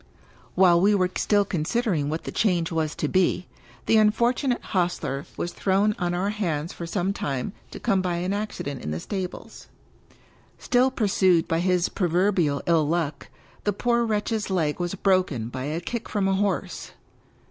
While we were still considering what the change was to be, the unfortunate hostler was thrown on our hands for some time to come by an accident in the stables. Still pursued by his proverbial ill luck, the poor wretch's leg was broken by a kick from a horse.